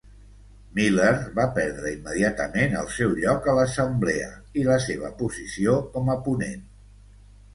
Miller va perdre immediatament el seu lloc a l'assemblea i la seva posició com a ponent.